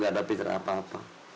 gak ada pikiran apa apa